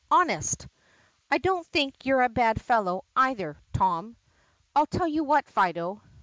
Honest." "I don't think you 're a bad fellow either, Tom." "I 'll tell you what, Fido.